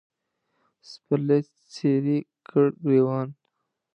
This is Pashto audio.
سپرلي څیرې کړ ګرېوان